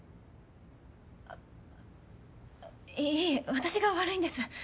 あっあっいえ私が悪いんです。